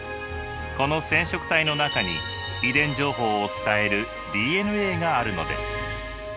この染色体の中に遺伝情報を伝えるＤＮＡがあるのです。